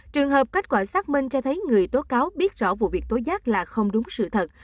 trường hợp kết quả xác minh cho thấy người tố cáo biết rõ vụ việc tối giác là không đúng sự thật